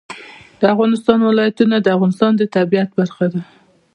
د افغانستان ولايتونه د افغانستان د طبیعت برخه ده.